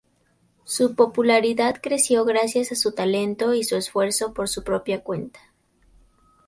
Su popularidad creció gracias a su talento y su esfuerzo por su propia cuenta.